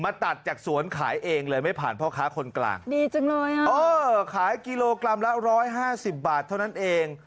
ตัดจากสวนขายเองเลยไม่ผ่านพ่อค้าคนกลางดีจังเลยอ่ะเออขายกิโลกรัมละ๑๕๐บาทเท่านั้นเอง